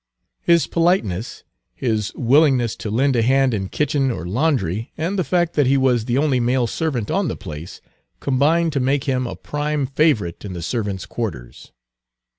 His politeness, his willingness to lend a hand in kitchen or laundry, and the fact that he was the only male servant on the place, combined to make him a prime favorite in the servants' quarters.